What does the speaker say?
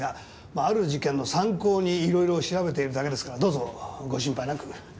まあある事件の参考にいろいろ調べているだけですからどうぞご心配なく。